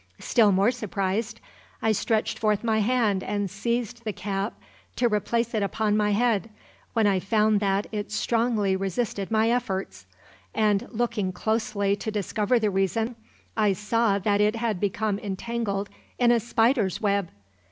Still more surprised, I stretched forth my hand and seized the cap to replace it upon my head, when I found that it strongly resisted my efforts, and, looking closely to discover the reason, I saw that it had become entangled in a spider's web!